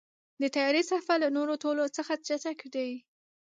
د طیارې سفر له نورو ټولو څخه چټک دی.